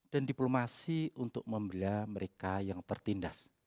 dan diplomasi untuk membelah mereka yang tertindas